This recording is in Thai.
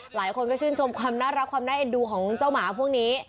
หลายคนก็ชื่นชมความน่ารักความน่าเอ็นดูของเจ้าหมาพวกนี้